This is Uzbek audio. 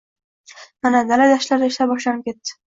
Mana, dala-dashtlarda ishlar boshlanib ketdi.